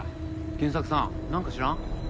賢作さんなんか知らん？